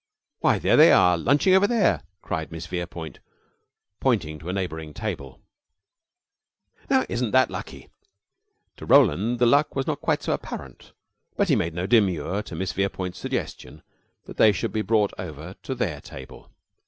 "Why, there they are lunching over there!" cried Miss Verepoint, pointing to a neighboring table. "Now, isn't that lucky?" To Roland the luck was not quite so apparent, but he made no demur to Miss Verepoint's suggestion that they should be brought over to their table.